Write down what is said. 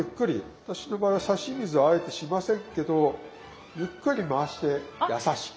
私の場合は差し水あえてしませんけどゆっくり回してやさしく。